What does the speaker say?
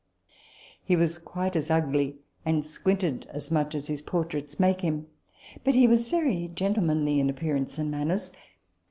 He was quite as ugly, and squinted as much, as his portraits make him ; but he was very gentle manly in appearance and manners.